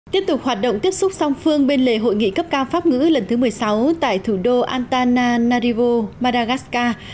tiếp tục hoạt động tiếp xúc song phương bên lề hội nghị cấp cao pháp ngữ lần thứ một mươi sáu tại thủ đô antana nario madagascar